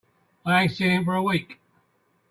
I ain't seen him for a week.